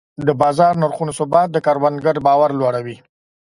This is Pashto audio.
د بازار نرخونو ثبات د کروندګر باور لوړوي.